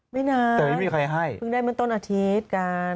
ไม่นานเพิ่งได้เหมือนต้นอาทิตย์กัน